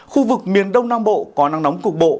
khu vực miền đông nam bộ có nắng nóng cục bộ